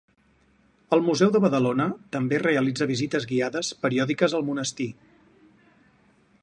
El Museu de Badalona també realitza visites guiades periòdiques al monestir.